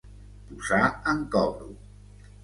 Posar en cobro.